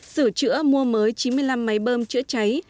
sửa chữa mua mới chín mươi năm máy bơm chữa cháy